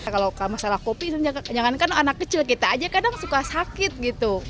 kalau masalah kopi jangankan anak kecil kita aja kadang suka sakit gitu